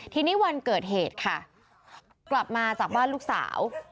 ทีนี้วันเกิดเหตุค่ะกลับมาจากบ้านลูกสาว